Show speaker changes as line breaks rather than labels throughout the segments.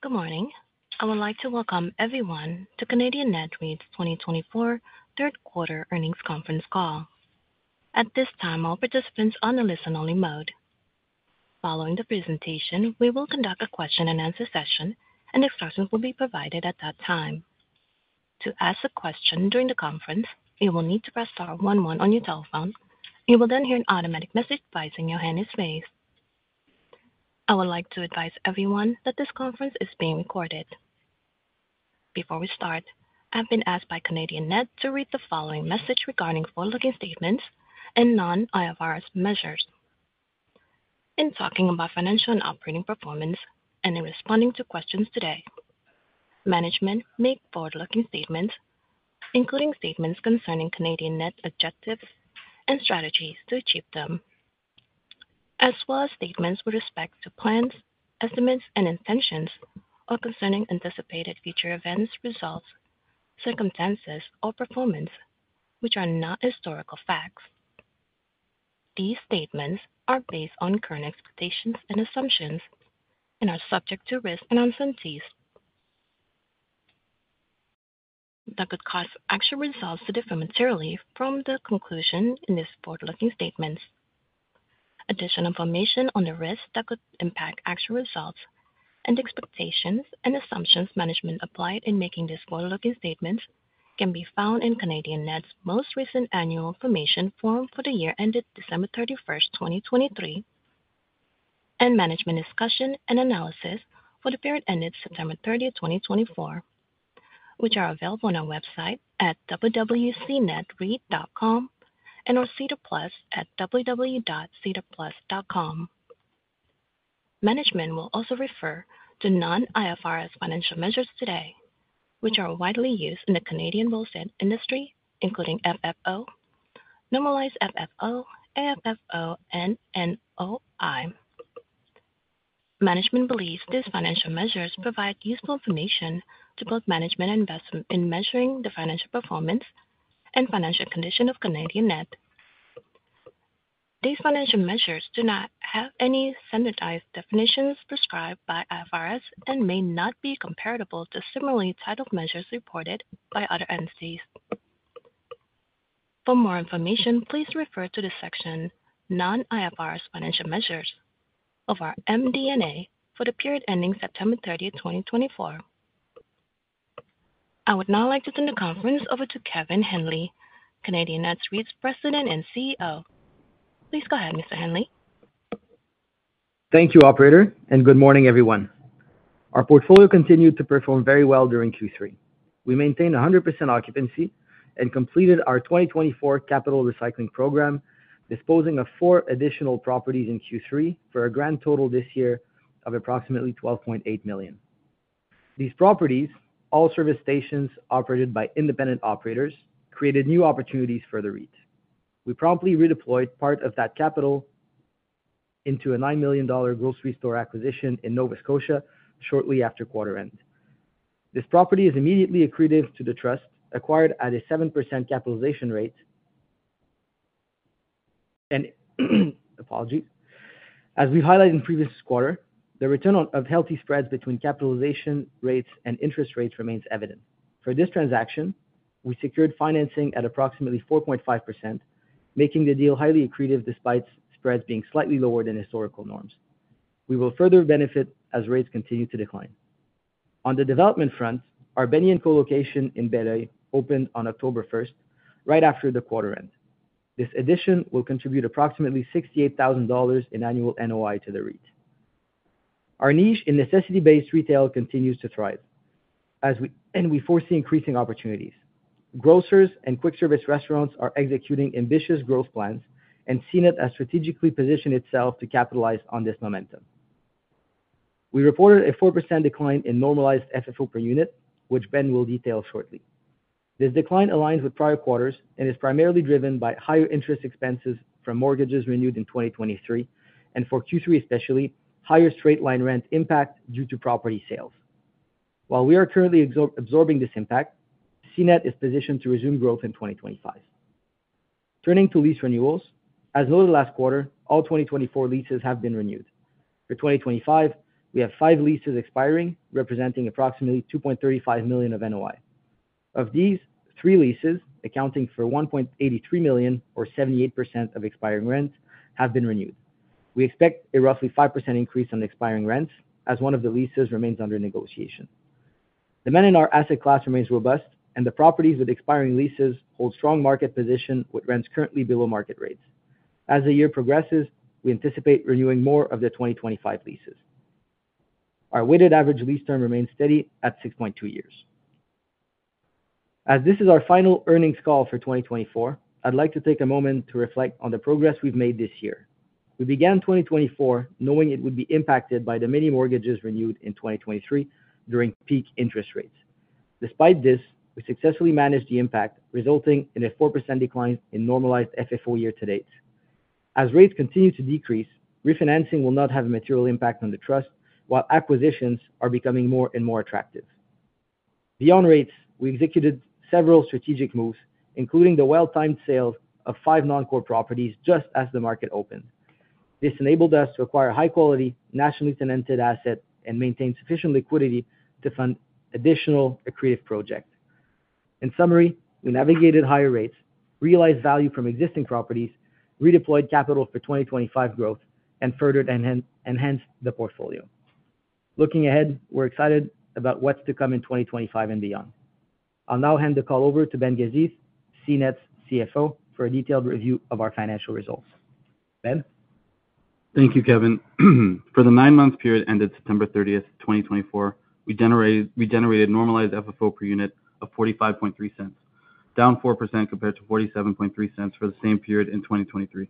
Good morning. I would like to welcome everyone to Canadian Net Real Estate 2024 third quarter earnings conference call. At this time, all participants are on the listen-only mode. Following the presentation, we will conduct a question-and-answer session, and instructions will be provided at that time. To ask a question during the conference, you will need to press star 11 on your telephone. You will then hear an automatic message advising your hand is raised. I would like to advise everyone that this conference is being recorded. Before we start, I have been asked by Canadian Net to read the following message regarding forward-looking statements and non-IFRS measures. In talking about financial and operating performance and in responding to questions today, management made forward-looking statements, including statements concerning Canadian Net objectives and strategies to achieve them, as well as statements with respect to plans, estimates, and intentions concerning anticipated future events, results, circumstances, or performance, which are not historical facts. These statements are based on current expectations and assumptions and are subject to risk and uncertainties that could cause actual results to differ materially from the conclusion in these forward-looking statements. Additional information on the risks that could impact actual results and expectations and assumptions management applied in making these forward-looking statements can be found in Canadian Net's most recent Annual Information Form for the year ended December 31st, 2023, and Management's Discussion and Analysis for the period ended September 30th, 2024, which are available on our website at www.cnetreit.com and on SEDAR+ at www.sedarplus.com. Management will also refer to non-IFRS financial measures today, which are widely used in the Canadian real estate industry, including FFO, Normalized FFO, AFFO, and NOI. Management believes these financial measures provide useful information to both management and investment in measuring the financial performance and financial condition of Canadian Net. These financial measures do not have any standardized definitions prescribed by IFRS and may not be comparable to similarly titled measures reported by other entities. For more information, please refer to the section Non-IFRS Financial Measures of our MD&A for the period ending September 30th, 2024. I would now like to turn the conference over to Kevin Henley, Canadian Net REIT's President and CEO. Please go ahead, Mr. Henley.
Thank you, Operator, and good morning, everyone. Our portfolio continued to perform very well during Q3. We maintained 100% occupancy and completed our 2024 capital recycling program, disposing of four additional properties in Q3 for a grand total this year of approximately 12.8 million. These properties, all service stations operated by independent operators, created new opportunities for the REIT. We promptly redeployed part of that capital into a 9 million dollar grocery store acquisition in Nova Scotia shortly after quarter end. This property is immediately accretive to the trust, acquired at a 7% capitalization rate. And apologies. As we highlighted in previous quarter, the return of healthy spreads between capitalization rates and interest rates remains evident. For this transaction, we secured financing at approximately 4.5%, making the deal highly accretive despite spreads being slightly lower than historical norms. We will further benefit as rates continue to decline. On the development front, our Benny&Co. location in Beloeil opened on October 1st, right after the quarter end. This addition will contribute approximately 68,000 dollars in annual NOI to the REIT. Our niche in necessity-based retail continues to thrive, and we foresee increasing opportunities. Grocers and quick service restaurants are executing ambitious growth plans and CNET is strategically positioning itself to capitalize on this momentum. We reported a 4% decline in normalized FFO per unit, which Ben will detail shortly. This decline aligns with prior quarters and is primarily driven by higher interest expenses from mortgages renewed in 2023, and for Q3 especially, higher straight-line rent impact due to property sales. While we are currently absorbing this impact, CNET is positioned to resume growth in 2025. Turning to lease renewals, as noted last quarter, all 2024 leases have been renewed. For 2025, we have five leases expiring, representing approximately $2.35 million of NOI. Of these, three leases, accounting for $1.83 million, or 78% of expiring rents, have been renewed. We expect a roughly 5% increase in expiring rents, as one of the leases remains under negotiation. The market in our asset class remains robust, and the properties with expiring leases hold strong market position with rents currently below market rates. As the year progresses, we anticipate renewing more of the 2025 leases. Our weighted average lease term remains steady at 6.2 years. As this is our final earnings call for 2024, I'd like to take a moment to reflect on the progress we've made this year. We began 2024 knowing it would be impacted by the many mortgages renewed in 2023 during peak interest rates. Despite this, we successfully managed the impact, resulting in a 4% decline in normalized FFO year to date. As rates continue to decrease, refinancing will not have a material impact on the trust, while acquisitions are becoming more and more attractive. Beyond rates, we executed several strategic moves, including the well-timed sale of five non-core properties just as the market opened. This enabled us to acquire high-quality, nationally tenanted assets and maintain sufficient liquidity to fund additional accretive projects. In summary, we navigated higher rates, realized value from existing properties, redeployed capital for 2025 growth, and further enhanced the portfolio. Looking ahead, we're excited about what's to come in 2025 and beyond. I'll now hand the call over to Ben Gazith, CNET's CFO, for a detailed review of our financial results. Ben?
Thank you, Kevin. For the nine-month period ended September 30th, 2024, we generated normalized FFO per unit of 0.453, down 4% compared to 0.473 for the same period in 2023.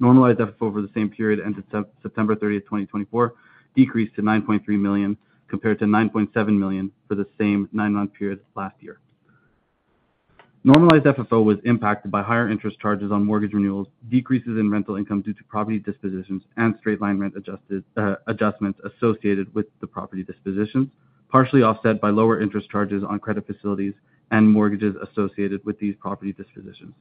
Normalized FFO for the same period ended September 30th, 2024, decreased to 9.3 million, compared to 9.7 million for the same nine-month period last year. Normalized FFO was impacted by higher interest charges on mortgage renewals, decreases in rental income due to property dispositions, and straight-line rent adjustments associated with the property dispositions, partially offset by lower interest charges on credit facilities and mortgages associated with these property dispositions.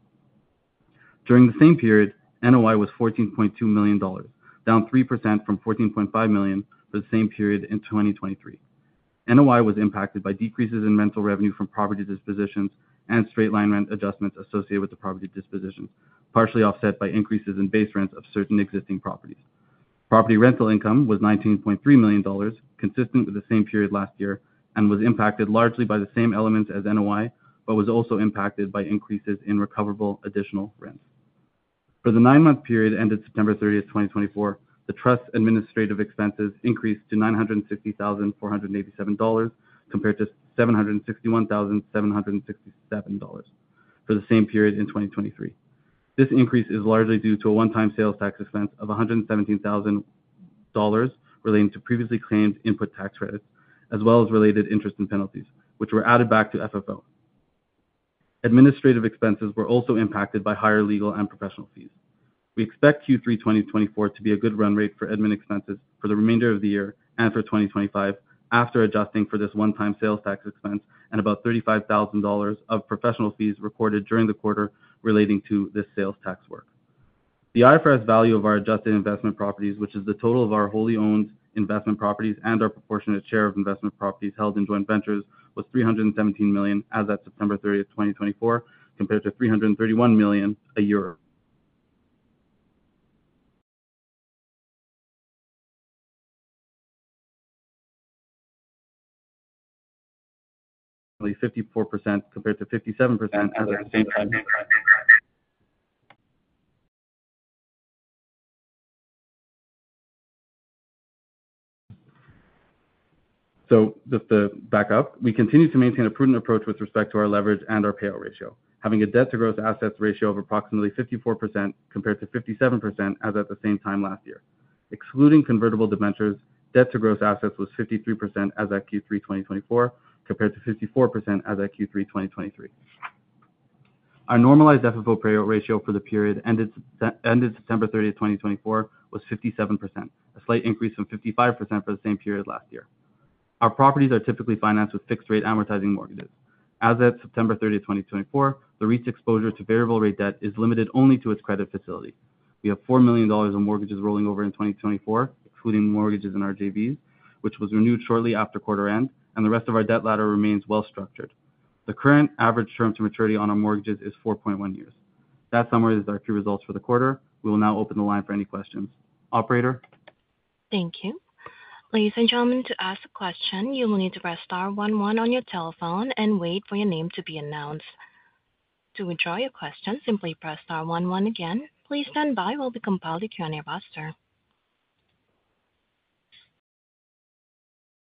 During the same period, NOI was 14.2 million dollars, down 3% from 14.5 million for the same period in 2023. NOI was impacted by decreases in rental revenue from property dispositions and straight-line rent adjustments associated with the property dispositions, partially offset by increases in base rents of certain existing properties. Property rental income was 19.3 million dollars, consistent with the same period last year, and was impacted largely by the same elements as NOI, but was also impacted by increases in recoverable additional rents. For the nine-month period ended September 30th, 2024, the trust's administrative expenses increased to 960,487 dollars, compared to 761,767 dollars for the same period in 2023. This increase is largely due to a one-time sales tax expense of 117,000 dollars relating to previously claimed input tax credits, as well as related interest and penalties, which were added back to FFO. Administrative expenses were also impacted by higher legal and professional fees. We expect Q3 2024 to be a good run rate for admin expenses for the remainder of the year and for 2025, after adjusting for this one-time sales tax expense and about 35,000 dollars of professional fees recorded during the quarter relating to this sales tax work. The IFRS value of our adjusted investment properties, which is the total of our wholly owned investment properties and our proportionate share of investment properties held in joint ventures, was 317 million as at September 30th, 2024, compared to 331 million a year, only 54% compared to 57% as at the same time. So just to back up, we continue to maintain a prudent approach with respect to our leverage and our payout ratio, having a debt-to-gross assets ratio of approximately 54% compared to 57% as at the same time last year. Excluding convertible debentures, debt-to-gross assets was 53% as at Q3 2024, compared to 54% as at Q3 2023. Our normalized FFO payout ratio for the period ended September 30th, 2024, was 57%, a slight increase from 55% for the same period last year. Our properties are typically financed with fixed-rate amortizing mortgages. As at September 30th, 2024, the REIT's exposure to variable-rate debt is limited only to its credit facility. We have 4 million dollars of mortgages rolling over in 2024, excluding mortgages in our JVs, which was renewed shortly after quarter end, and the rest of our debt ladder remains well-structured. The current average term to maturity on our mortgages is 4.1 years. That summarizes our key results for the quarter. We will now open the line for any questions. Operator.
Thank you. Ladies and gentlemen, to ask a question, you will need to press star 11 on your telephone and wait for your name to be announced. To withdraw your question, simply press star 11 again. Please stand by while we compile the Q&A roster,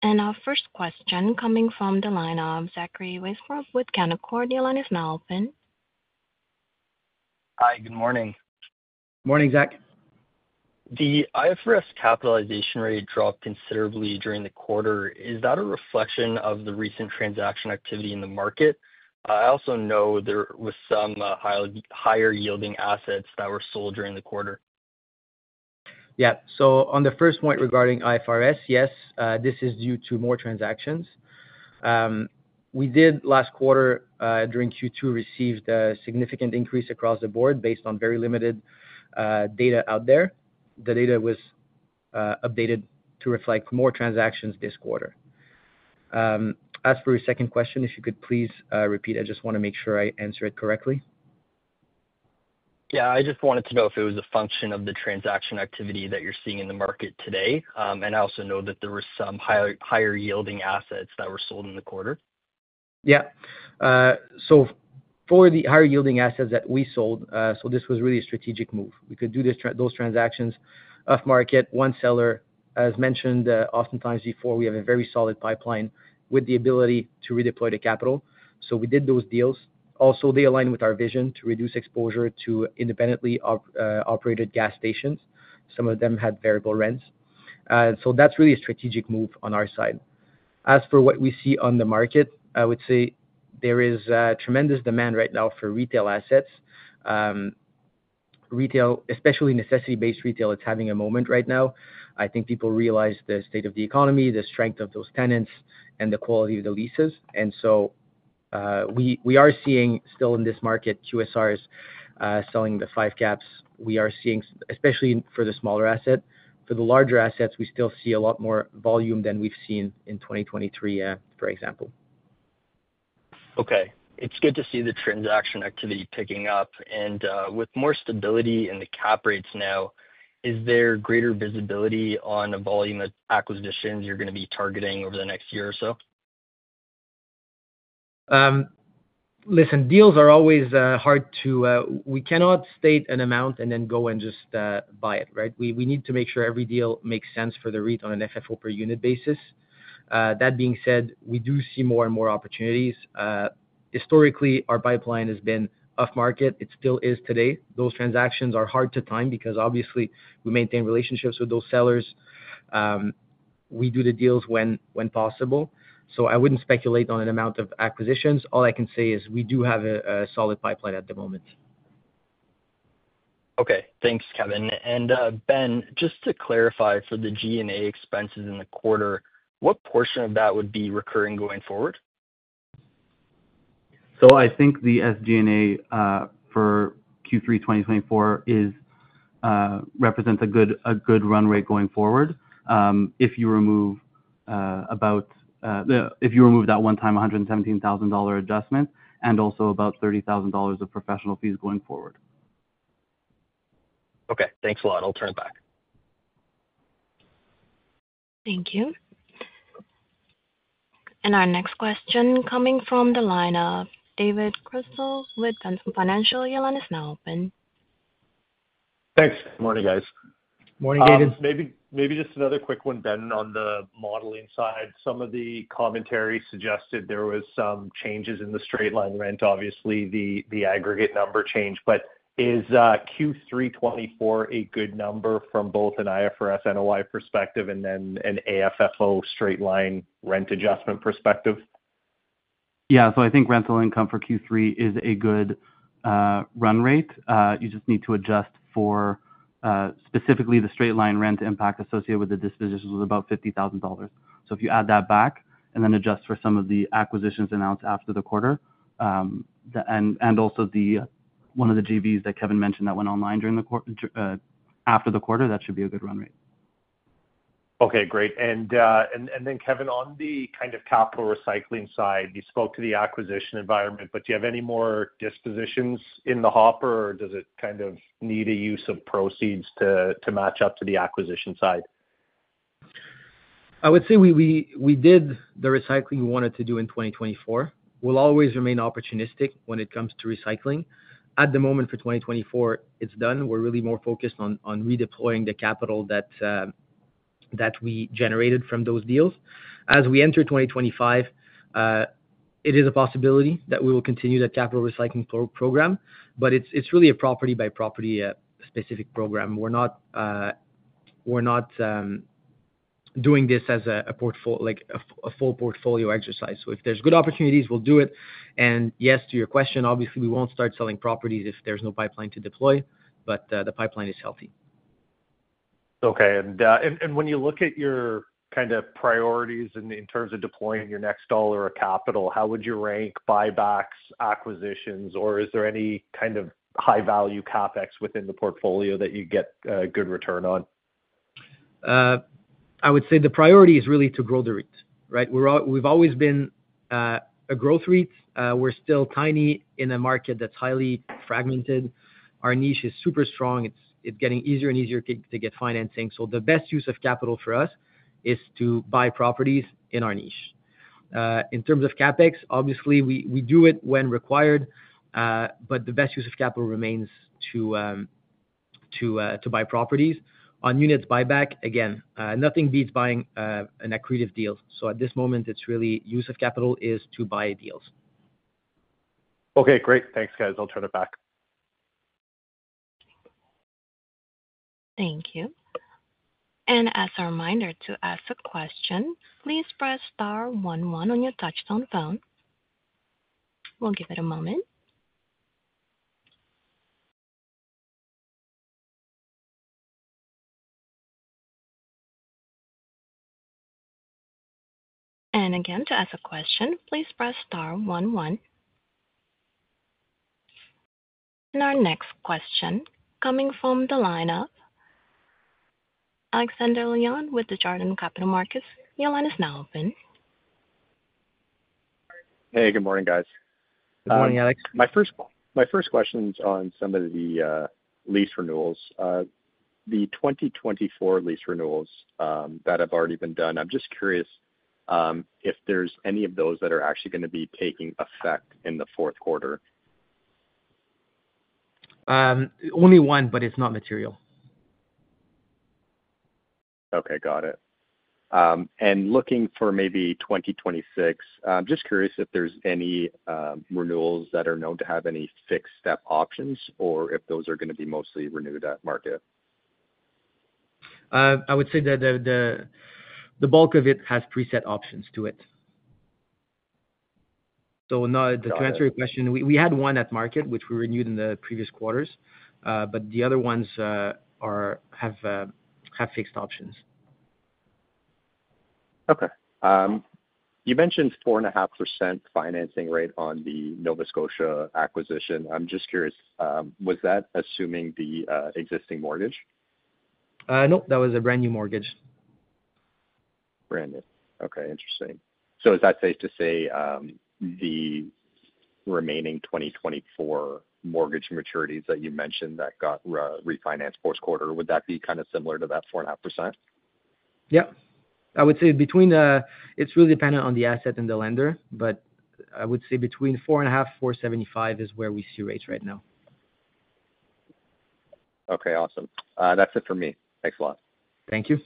and our first question coming from the line of Zachary Weisbrod with Canaccord. Your line is now open.
Hi, good morning.
Morning, Zach.
The IFRS capitalization rate dropped considerably during the quarter. Is that a reflection of the recent transaction activity in the market? I also know there were some higher-yielding assets that were sold during the quarter.
Yeah. So on the first point regarding IFRS, yes, this is due to more transactions. We did, last quarter, during Q2, receive a significant increase across the board based on very limited data out there. The data was updated to reflect more transactions this quarter. As for your second question, if you could please repeat, I just want to make sure I answer it correctly.
Yeah. I just wanted to know if it was a function of the transaction activity that you're seeing in the market today, and I also know that there were some higher-yielding assets that were sold in the quarter.
Yeah. So for the higher-yielding assets that we sold, so this was really a strategic move. We could do those transactions off-market, one seller. As mentioned oftentimes before, we have a very solid pipeline with the ability to redeploy the capital. So we did those deals. Also, they aligned with our vision to reduce exposure to independently operated gas stations. Some of them had variable rents. So that's really a strategic move on our side. As for what we see on the market, I would say there is tremendous demand right now for retail assets. Retail, especially necessity-based retail, is having a moment right now. I think people realize the state of the economy, the strength of those tenants, and the quality of the leases. And so we are seeing still in this market, QSR is selling in the five caps. We are seeing, especially for the smaller asset. For the larger assets, we still see a lot more volume than we've seen in 2023, for example.
Okay. It's good to see the transaction activity picking up, and with more stability in the cap rates now, is there greater visibility on the volume of acquisitions you're going to be targeting over the next year or so?
Listen, deals are always hard to. We cannot state an amount and then go and just buy it, right? We need to make sure every deal makes sense for the REIT on an FFO per unit basis. That being said, we do see more and more opportunities. Historically, our pipeline has been off-market. It still is today. Those transactions are hard to time because, obviously, we maintain relationships with those sellers. We do the deals when possible. So I wouldn't speculate on an amount of acquisitions. All I can say is we do have a solid pipeline at the moment.
Okay. Thanks, Kevin. And Ben, just to clarify for the G&A expenses in the quarter, what portion of that would be recurring going forward?
So I think the SG&A for Q3 2024 represents a good run rate going forward if you remove that one-time 117,000 dollar adjustment and also about 30,000 dollars of professional fees going forward.
Okay. Thanks a lot. I'll turn it back.
Thank you. And our next question coming from the line of David Chrystal with Ventum Financial. Your line is now open.
Thanks. Good morning, guys.
Morning, David.
Maybe just another quick one, Ben, on the modeling side. Some of the commentary suggested there were some changes in the straight-line rent. Obviously, the aggregate number changed. But is Q3 2024 a good number from both an IFRS NOI perspective and then an AFFO straight-line rent adjustment perspective?
Yeah. So I think rental income for Q3 is a good run rate. You just need to adjust for specifically the straight-line rent impact associated with the dispositions of about 50,000 dollars. So if you add that back and then adjust for some of the acquisitions announced after the quarter and also one of the JVs that Kevin mentioned that went online after the quarter, that should be a good run rate.
Okay. Great. And then, Kevin, on the kind of capital recycling side, you spoke to the acquisition environment, but do you have any more dispositions in the hopper, or does it kind of need a use of proceeds to match up to the acquisition side?
I would say we did the recycling we wanted to do in 2024. We'll always remain opportunistic when it comes to recycling. At the moment for 2024, it's done. We're really more focused on redeploying the capital that we generated from those deals. As we enter 2025, it is a possibility that we will continue that capital recycling program, but it's really a property-by-property specific program. We're not doing this as a full portfolio exercise. So if there's good opportunities, we'll do it. And yes, to your question, obviously, we won't start selling properties if there's no pipeline to deploy, but the pipeline is healthy.
Okay. And when you look at your kind of priorities in terms of deploying your next dollar of capital, how would you rank buybacks, acquisitions, or is there any kind of high-value CapEx within the portfolio that you get a good return on?
I would say the priority is really to grow the REIT, right? We've always been a growth REIT. We're still tiny in a market that's highly fragmented. Our niche is super strong. It's getting easier and easier to get financing. So the best use of capital for us is to buy properties in our niche. In terms of CapEx, obviously, we do it when required, but the best use of capital remains to buy properties. On units buyback, again, nothing beats buying an accretive deal. So at this moment, it's really use of capital is to buy deals.
Okay. Great. Thanks, guys. I'll turn it back.
Thank you. And as a reminder to ask a question, please press star 11 on your touch-tone phone. We'll give it a moment. And again, to ask a question, please press star 11. And our next question coming from the line of Alexander Leon with Desjardins Capital Markets. Your line is now open.
Hey, good morning, guys.
Good morning, Alex.
My first question is on some of the lease renewals. The 2024 lease renewals that have already been done, I'm just curious if there's any of those that are actually going to be taking effect in the fourth quarter?
Only one, but it's not material.
Okay. Got it. And looking for maybe 2026, I'm just curious if there's any renewals that are known to have any fixed step options or if those are going to be mostly renewed at market.
I would say that the bulk of it has preset options to it. So the answer to your question, we had one at market, which we renewed in the previous quarters, but the other ones have fixed options.
Okay. You mentioned 4.5% financing rate on the Nova Scotia acquisition. I'm just curious, was that assuming the existing mortgage?
No, that was a brand new mortgage.
Brand new. Okay. Interesting. So is that safe to say the remaining 2024 mortgage maturities that you mentioned that got refinanced fourth quarter, would that be kind of similar to that 4.5%?
Yeah. I would say between 4.5-4.75 is where we see rates right now.
Okay. Awesome. That's it for me. Thanks a lot.
Thank you.